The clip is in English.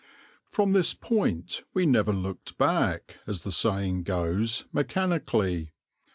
From this point we never looked back, as the saying goes, mechanically.